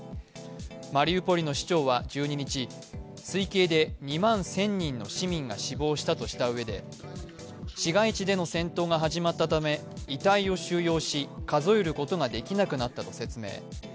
マリウポリの市長は１２日、推計で２万１０００人の市民が死亡したとしたうえで市街地での戦闘が始まったため、遺体を収容し数えることができなくなったと説明。